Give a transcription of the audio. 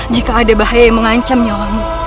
jika ada bahaya yang mengancam nyawamu